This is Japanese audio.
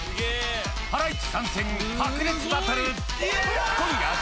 ハライチ参戦、白熱バトル。